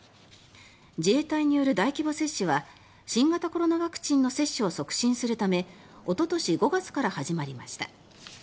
自衛隊による大規模接種は新型コロナワクチンの接種を促進するためおととし５月から始まりました。